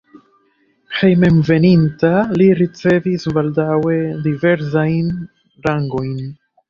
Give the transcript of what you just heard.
Hejmenveninta li ricevis baldaŭe diversajn rangojn.